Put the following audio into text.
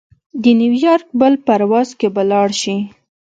د نیویارک بل پرواز کې به لاړشې.